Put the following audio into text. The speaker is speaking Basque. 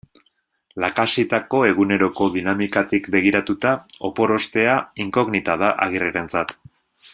Lakaxitako eguneroko dinamikatik begiratuta, opor ostea inkognita da Agirrerentzat.